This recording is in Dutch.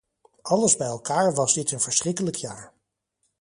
Alles bij elkaar was dit een verschrikkelijk jaar.